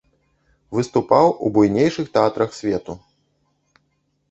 Выступаў у буйнейшых тэатрах свету.